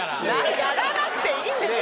やらなくていいんですよ。